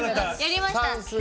やりました。